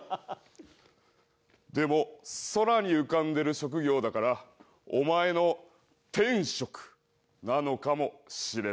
でも空に浮かんでる職業だからお前の天職なのかもしれないな。